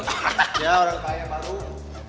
ya orang kaya baru